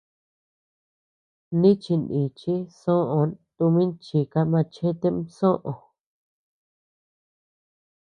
Nichi nichi soʼön tumin chika machetem soʼö.